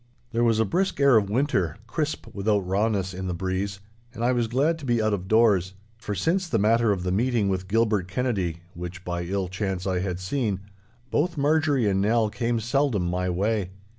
There was a brisk air of winter, crisp without rawness, in the breeze, and I was glad to be out of doors; for since the matter of the meeting with Gilbert Kennedy, which by ill chance I had seen, both Marjorie and Nell came seldom my way.